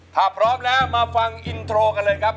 ถ้าพร้อมแล้วมาฟังอินโทรกันเลยครับ